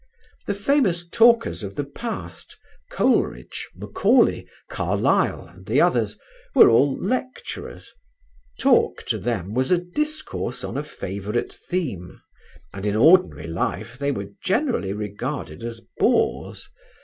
The famous talkers of the past, Coleridge, Macaulay, Carlyle and the others, were all lecturers: talk to them was a discourse on a favourite theme, and in ordinary life they were generally regarded as bores.